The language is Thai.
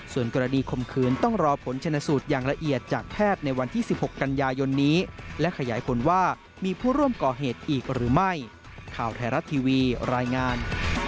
ส่วนกรณีคมคืนต้องรอผลชนสูตรอย่างละเอียด